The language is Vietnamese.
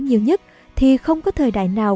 nhiều nhất thì không có thời đại nào